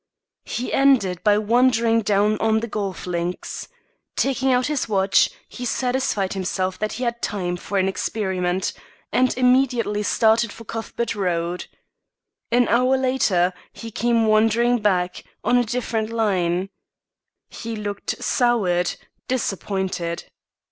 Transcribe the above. He ended by wandering down on the golf links. Taking out his watch, he satisfied himself that he had time for an experiment, and immediately started for Cuthbert Road. An hour later, he came wandering back, on a different line. He looked soured, disappointed.